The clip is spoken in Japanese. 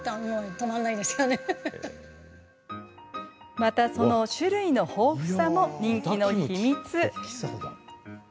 また、その種類の豊富さも人気の秘密。